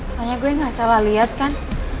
pokoknya gue gak salah liat kan